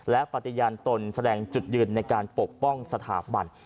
และปฏิญาณตนแสดงจุดยืนในการปกป้องสถาบัน